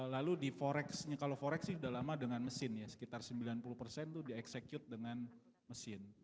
lalu di forex kalau forex sih sudah lama dengan mesin ya sekitar sembilan puluh persen itu dieksekut dengan mesin